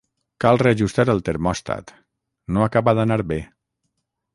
Cal reajustar el termòstat: no acaba d'anar bé.